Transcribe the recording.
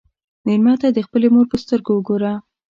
مېلمه ته د خپلې مور په سترګو وګوره.